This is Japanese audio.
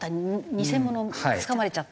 偽物つかまされちゃった」。